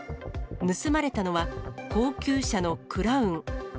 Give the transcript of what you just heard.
盗まれたのは、高級車のクラウン。